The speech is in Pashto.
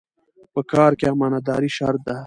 په کار کې امانتداري شرط ده.